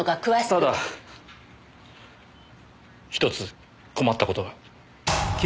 ただ１つ困った事が。